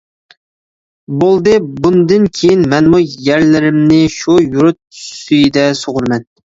-بولدى، بۇندىن كېيىن مەنمۇ يەرلىرىمنى شۇ يۇرت سۈيىدە سۇغۇرىمەن.